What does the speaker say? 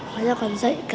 mà nó còn dạy cả